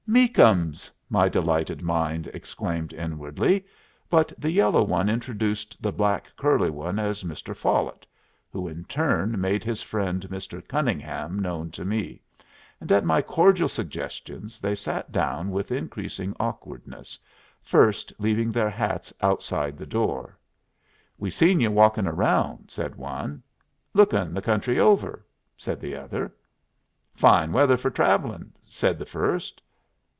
"Meakums!" my delighted mind exclaimed, inwardly; but the yellow one introduced the black curly one as Mr. Follet, who, in turn, made his friend Mr. Cunningham known to me, and at my cordial suggestion they sat down with increasing awkwardness, first leaving their hats outside the door. "We seen you walking around," said one. "Lookin' the country over," said the other. "Fine weather for travelling," said the first.